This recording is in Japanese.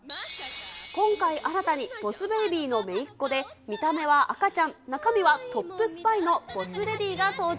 今回、新たにボス・ベイビーのめいっ子で、見た目は赤ちゃん、中身はトップスパイのボス・レディが登場。